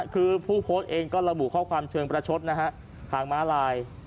คือผู้โพสต์เองก็ระบุข้อความเชิงประชดนะฮะทางม้าลาย